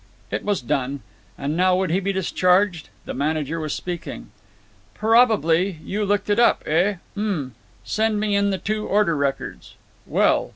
It was done. And now would he be discharged? The manager was speaking: "Probably. You looked it up, eh? Um! Send me in the two order records. Well.